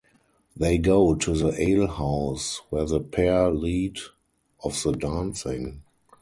They go to the alehouse, where the pair lead of the dancing.